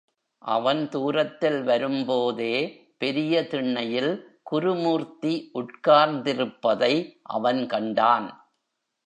அவன் தூரத்தில் வரும்போதே, பெரிய திண்ணையில் குருமூர்த்தி உட்கார்ந்திருப்பதை அவன் கண்டான்.